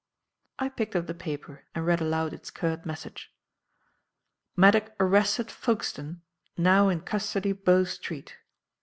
I picked up the paper and read aloud its curt message. "Maddock arrested Folkestone now in custody Bow Street.